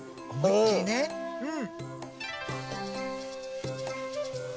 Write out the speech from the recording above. うん。